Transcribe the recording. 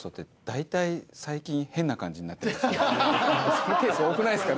そういうケース多くないですか？